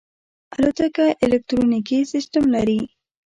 الوتکه الکترونیکي سیستم لري.